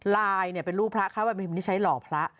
ลายเป็นรูปพระข้าวแบบนี้ใช้หล่อพระ